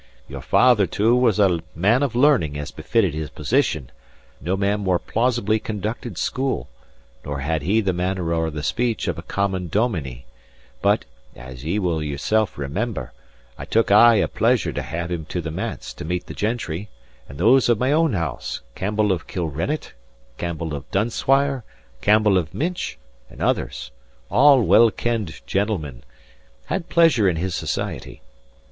Your father, too, was a man of learning as befitted his position; no man more plausibly conducted school; nor had he the manner or the speech of a common dominie; but (as ye will yourself remember) I took aye a pleasure to have him to the manse to meet the gentry; and those of my own house, Campbell of Kilrennet, Campbell of Dunswire, Campbell of Minch, and others, all well kenned gentlemen, had pleasure in his society.